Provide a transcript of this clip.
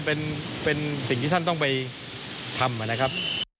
ก็อันนี้เป็นสิ่งที่ท่านต้องไปทำอ่ะนะครับ